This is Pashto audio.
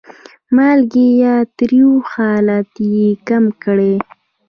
مالګین یا تریو حالت یې کم کړي.